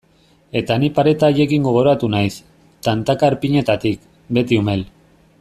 Eta ni pareta haiekin gogoratu naiz, tantaka erpinetatik, beti umel.